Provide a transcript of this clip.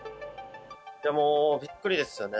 もうびっくりですよね。